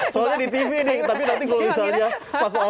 soalnya di tv nih tapi nanti kalau misalnya pasal opr baru